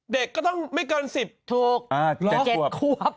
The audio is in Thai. เด็กก็ต้องไม่เกิน๑๐ถูก๗ควบ